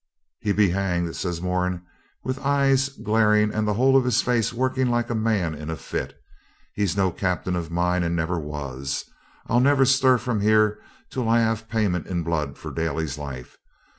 'He be hanged!' says Moran, with eyes glaring and the whole of his face working like a man in a fit. 'He's no Captain of mine, and never was. I'll never stir from here till I have payment in blood for Daly's life.